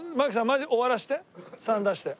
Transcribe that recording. マジ終わらせて３出して。